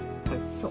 そう。